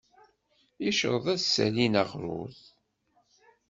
Yecreḍ ad s-salin aɣrud.